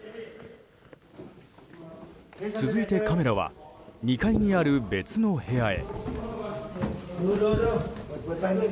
続いてカメラは２階にある別の部屋へ。